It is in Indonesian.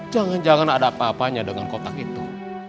jangan jangan ada apa apanya dengan kotak itu